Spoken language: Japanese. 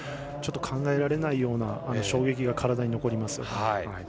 考えられないような衝撃が体に残ります。